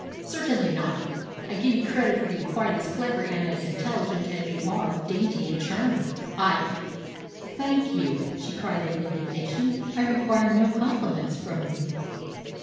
"Certainly not. I give you credit for being quite as clever and as intelligent as you are dainty and charming. I " "Thank you!" she cried in indignation. "I require no compliments from you."